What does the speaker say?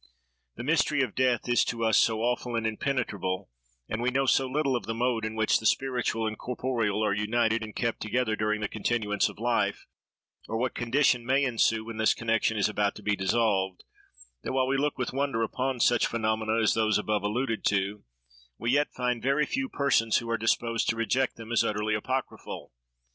The mystery of death is to us so awful and impenetrable, and we know so little of the mode in which the spiritual and the corporeal are united and kept together during the continuance of life, or what condition may ensue when this connection is about to be dissolved, that while we look with wonder upon such phenomena as those above alluded to, we yet find very few persons who are disposed to reject them as utterly apocryphal.